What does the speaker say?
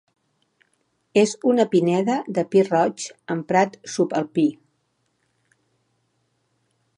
És en una pineda de pi roig amb prat subalpí.